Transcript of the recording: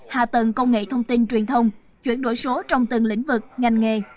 hạ tầng công nghệ thông tin truyền thông chuyển đổi số trong từng lĩnh vực ngành nghề